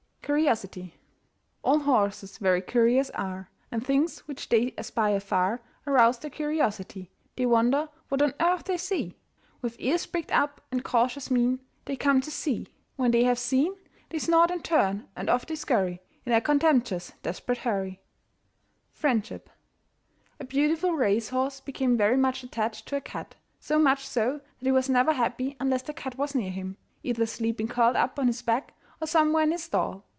CURIOSITY. All horses very curious are And things which they espy afar Arouse their curiosity: They wonder what on earth they see. With ears pricked up and cautious mien They come to see. When they have seen, They snort and turn and off they scurry In a contemptuous desperate hurry. FRIENDSHIP. A beautiful racehorse became very much attached to a cat. So much so that he was never happy unless the cat was near him, either sleeping curled up on his back or somewhere in his stall.